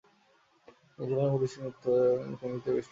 তিনি ছিলেন ওড়িশি নৃত্য এবং সংগীতের পৃষ্ঠপোষক।